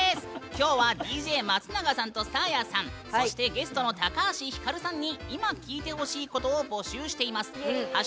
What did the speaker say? きょうはＤＪ松永さんとサーヤさんそしてゲストの高橋ひかるさんに「いま聞いてほしいこと」を募集しています。